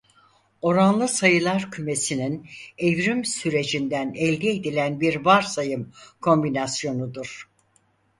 Oranlı sayılar kümesinin evrim sürecinden elde edilen bir varsayım kombinasyonudur.